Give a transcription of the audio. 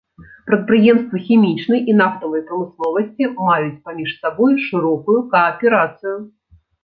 Прадпрыемствы хімічнай і нафтавай прамысловасці маюць паміж сабой шырокую кааперацыю.